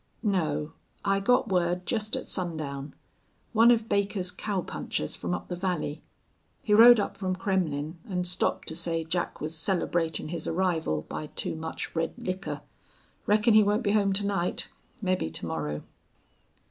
"No. I got word jest at sundown. One of Baker's cowpunchers from up the valley. He rode up from Kremmlin' an' stopped to say Jack was celebratin' his arrival by too much red liquor. Reckon he won't be home to night. Mebbe to morrow."